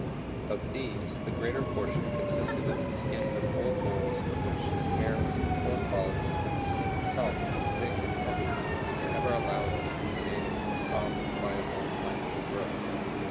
Of these, the greater portion consisted of the skins of old bulls on which the hair was of poor quality and the skin itself too thick and heavy to ever allow of its being made into a soft, pliable, and light weight robe.